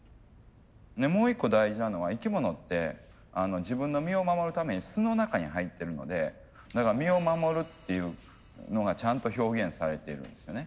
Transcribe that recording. もう一個大事なのは生き物って自分の身を守るために巣の中に入ってるのでだから身を守るっていうのがちゃんと表現されているんですよね。